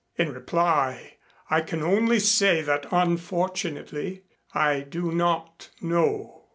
In reply I can only say that, unfortunately, I do not know."